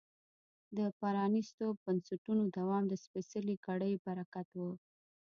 د پرانیستو بنسټونو دوام د سپېڅلې کړۍ برکت و.